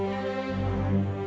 aku mau ke rumah